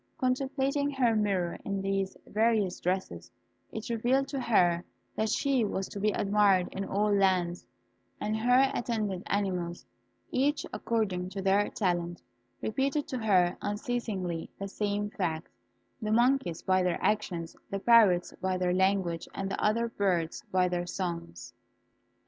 Contemplating her mirror in these various dresses, it revealed to her that she was to be admired in all lands; and her attendant animals, each according to their talent, repeated to her unceasingly the same fact the monkeys by their actions, the parrots by their language, and the other birds by their songs.